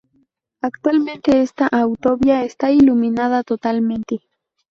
Actualmente esta autovía está iluminada totalmente.